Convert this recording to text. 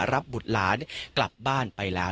บุตรหลานกลับบ้านไปแล้ว